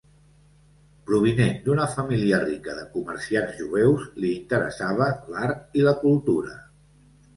Provinent d'una família rica de comerciants jueus, li interessava l'art i la cultura.